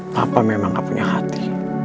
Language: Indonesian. papa memang gak punya hati